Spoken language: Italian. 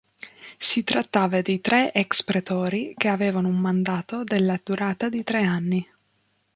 Si trattava di tre ex-pretori, che avevano un mandato della durata di tre anni.